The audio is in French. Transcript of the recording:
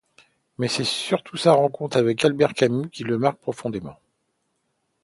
Mais c'est surtout sa rencontre avec Albert Camus qui le marque profondément.